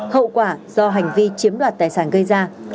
hậu quả do hành vi chiếm đoạt tài sản gây ra